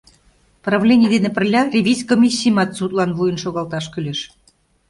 Правлений дене пырля ревиз комиссийымат судлан вуйын шогалташ кӱлеш.